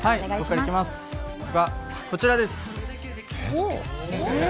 僕はこちらです。